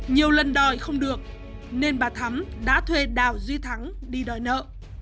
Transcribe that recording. nhiều lần đòi không được nên bà thắm đã thuê đào duy thắng đi đòi nợ